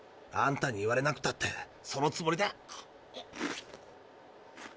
あんたに言われなくたってそのつもりだ。